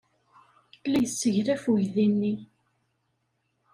La yesseglaf uydi-nni.